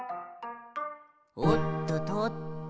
「おっととっと」